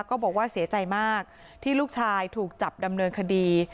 ก็บอกว่าเสียใจมากที่ลูกชายถูกจับดำเนินคดี